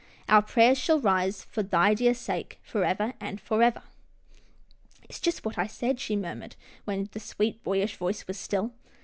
Our prayers shall rise for thy dear sake, Forever and forever." " It's just what I said," she murmured, when the sweet, boyish voice was still.